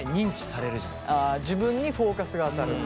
あ自分にフォーカスが当たると。